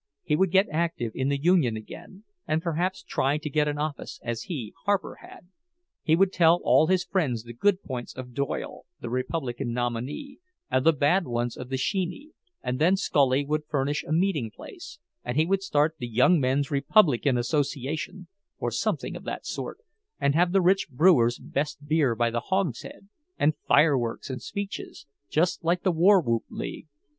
He would get active in the union again, and perhaps try to get an office, as he, Harper, had; he would tell all his friends the good points of Doyle, the Republican nominee, and the bad ones of the "sheeny"; and then Scully would furnish a meeting place, and he would start the "Young Men's Republican Association," or something of that sort, and have the rich brewer's best beer by the hogshead, and fireworks and speeches, just like the War Whoop League.